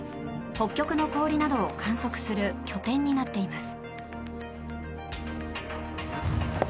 北極の氷などを観測する拠点になっています。